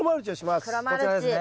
こちらですね